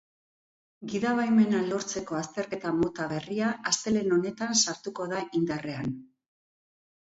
Gidabaimena lortzeko azterketa mota berria astelehen honetan sartuko da indarrean.